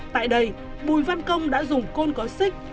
tại đây bùi văn công đã dùng côn có xích